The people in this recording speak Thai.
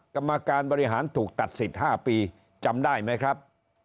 กรรมการบริหารถูกตัดสิทธิ์๕ปีจำได้ไหมครับ